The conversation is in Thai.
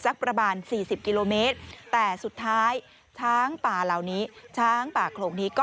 สักประมาณ๔๐กิโลเมตรแต่สุดท้ายช้างปากครงนี้